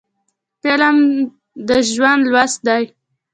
فلم د ژوند لوست دی